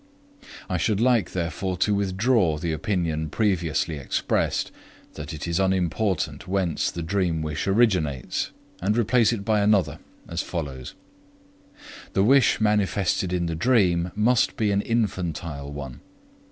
I should like, therefore, to withdraw the opinion previously expressed that it is unimportant whence the dream wish originates, and replace it by another, as follows: The wish manifested in the dream must be an infantile one.